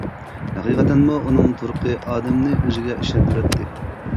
ھەقىقەتەنمۇ ئۇنىڭ تۇرقى ئادەمنى ئۆزىگە ئىشەندۈرەتتى.